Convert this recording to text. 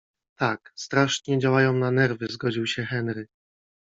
- Tak, strasznie działają na nerwy - zgodził się Henry.